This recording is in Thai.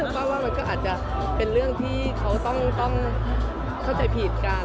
ป้าว่ามันก็อาจจะเป็นเรื่องที่เขาต้องเข้าใจผิดกัน